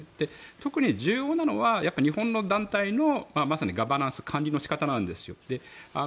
特に重要なのは日本の団体の、まさにガバナンス管理の仕方なんですよ。